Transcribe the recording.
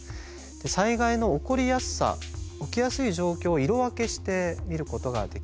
災害の起こりやすさ起きやすい状況を色分けして見ることができます。